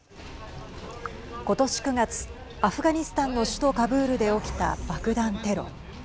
今年９月、アフガニスタンの首都カブールで起きた爆弾テロ。